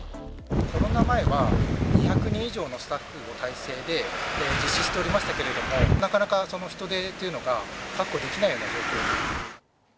コロナ前は２００人以上のスタッフの体制で実施しておりましたけれども、なかなかその人手というのが確保できないような状況に。